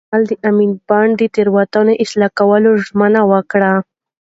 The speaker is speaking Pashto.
کارمل د امین بانډ د تېروتنو اصلاح کولو ژمنه وکړه.